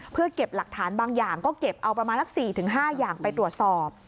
เพื่อเก็บหลักฐานบางอย่างก็เก็บเอาประมาณสัก๔๕อย่างไปตรวจสอบ